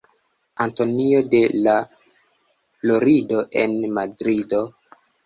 Antonio de La Florido en Madrido.